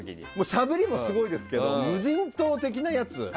しゃべりもすごいですし無人島的なやつ。